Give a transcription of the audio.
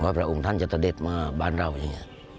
พระองค์ท่านจะเสด็จมาบ้านเราเอง